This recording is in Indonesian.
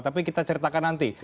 tapi kita ceritakan nanti